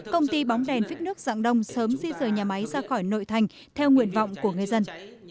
công ty bóng đèn phích nước dạng đông sớm di rời nhà máy ra khỏi nội thành theo nguyện vọng của người dân